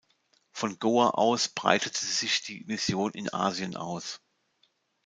Von Goa aus breitete sich die Mission in Asien aus.